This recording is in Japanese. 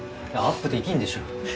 アップできんでしょ。